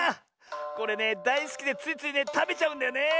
これねだいすきでついついねたべちゃうんだよねえ。